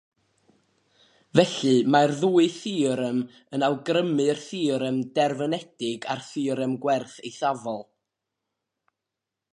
Felly mae'r ddwy theorem yn awgrymu'r theorem derfynedig a'r theorem gwerth eithafol.